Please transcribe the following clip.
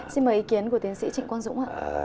xin mời ý kiến của tiến sĩ trịnh quang dũng ạ